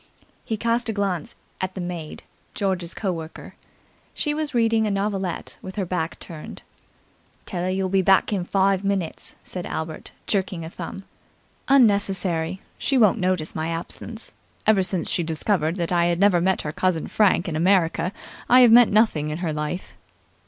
He cast a glance at the maid, George's co worker. She was reading a novelette with her back turned. "Tell 'er you'll be back in five minutes," said Albert, jerking a thumb. "Unnecessary. She won't notice my absence. Ever since she discovered that I had never met her cousin Frank in America, I have meant nothing in her life."